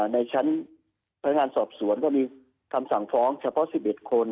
ในชั้นพนักงานสอบสวนก็มีคำสั่งฟ้องเฉพาะ๑๑คน